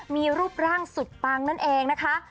มีรูปร่างสุดปังนั่นเองนะคะ